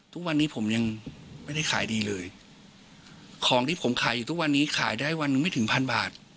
ทุกวันนี้ผมยังไม่ได้ขายดีเลยของที่ผมขายอยู่ทุกวันนี้ขายได้วันหนึ่งไม่ถึงพันบาท